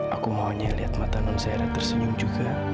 aku maunya lihat mata non saya tersenyum juga